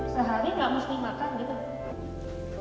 sehari nggak mesti makan gitu